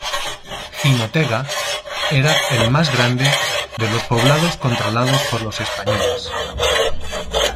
Jinotega era el más grande de los poblados controlados por los españoles.